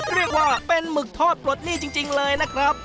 เรียกว่าเป็นหมึกทอดปลดหนี้จริงเลยนะครับ